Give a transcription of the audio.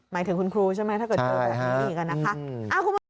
หมายถึงคุณครูใช่ไหมถ้าเกิดเจอแบบนี้อีกนะคะ